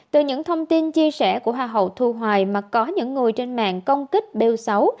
từ những thông tin chia sẻ của hoa hậu thu hoài mà có những người trên mạng công kích beo sáu